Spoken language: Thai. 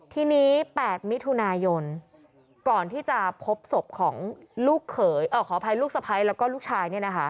ทีนี้๘มิถุนายนก่อนที่จะพบศพของลูกสะพัยแล้วก็ลูกชาย